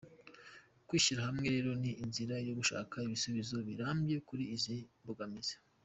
Kwishyira hamwe rero ni inzira yo gushaka ibisubizo birambye kuri izi mbogamizi.